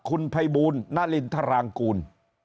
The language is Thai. คุณไพบูลณลินทรางกูล